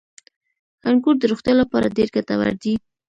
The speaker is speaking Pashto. • انګور د روغتیا لپاره ډېر ګټور دي.